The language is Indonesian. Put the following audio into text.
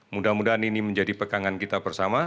mudah mudahan ini menjadi pegangan kita bersama